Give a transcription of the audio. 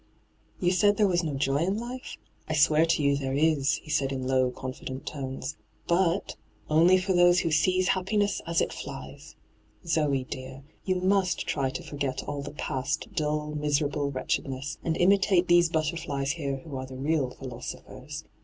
* You said there was no joy in life ? I swear to you there is,' he said in low, confident tones, 'but — only for thwie who seize happiness as it flies [ Zoe dear, you must try to forget all the past dull, miserable wretchedness, and imitate these butterflies here who are the real philosophers.